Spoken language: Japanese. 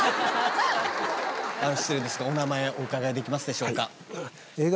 失礼ですがお名前お伺いできますでしょうか。